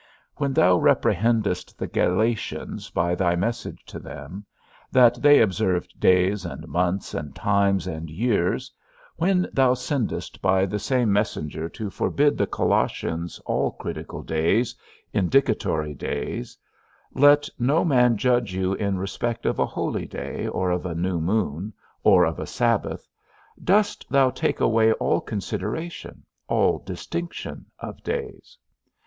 When thou reprehendest the Galatians by thy message to them, That they observed days, and months, and times, and years, when thou sendest by the same messenger to forbid the Colossians all critical days, indicatory days, Let no man judge you in respect of a holy day, or of a new moon, or of a sabbath, dost thou take away all consideration, all distinction of days?